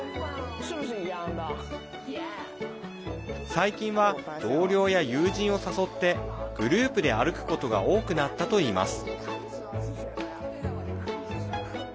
最近は同僚や友人を誘ってグループで歩くことが多くなったといいます。